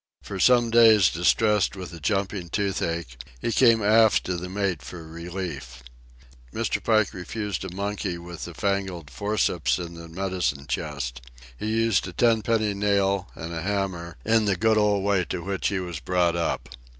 For some days distressed with a jumping toothache, he came aft to the mate for relief. Mr. Pike refused to "monkey" with the "fangled" forceps in the medicine chest. He used a tenpenny nail and a hammer in the good old way to which he was brought up.